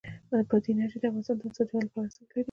بادي انرژي د افغانستان د اقتصادي ودې لپاره ارزښت لري.